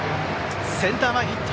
センター前ヒット！